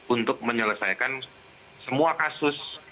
untuk menyelesaikan semua kasus